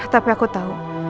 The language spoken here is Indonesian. tapi aku tau